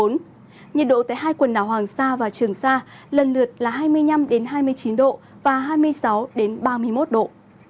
nhiệt độ tại hai quần đảo hoàng sa và trường sa lần lượt là hai mươi năm hai mươi chín độ và hai mươi sáu ba mươi một độ